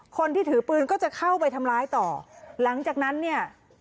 คนที่ถือปืนก็จะเข้าไปทำร้ายต่อหลังจากนั้นเนี่ย